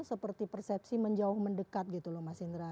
seperti persepsi menjauh mendekat gitu loh mas indra